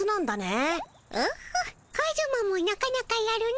オホッカズマもなかなかやるの。